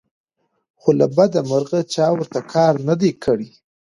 خو له بدمرغه چا ورته کار نه دى کړى